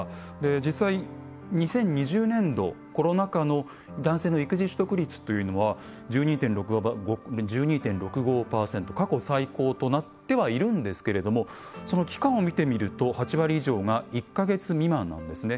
実際２０２０年度コロナ禍の男性の育休取得率というのは１２．６５％過去最高となってはいるんですけれどもその期間を見てみると８割以上が１か月未満なんですね。